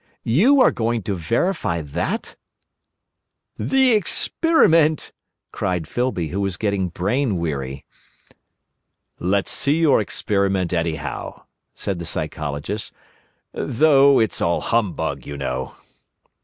"You are going to verify that?" "The experiment!" cried Filby, who was getting brain weary. "Let's see your experiment anyhow," said the Psychologist, "though it's all humbug, you know."